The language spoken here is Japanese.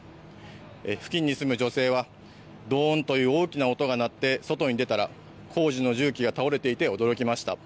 付近に住む女性はドーンという大きな音が鳴って外に出たら工事の重機が倒れていて驚きました。